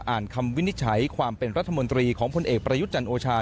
คำวินิจฉัยความเป็นรัฐมนตรีของพลเอกประยุทธ์จันทร์โอชา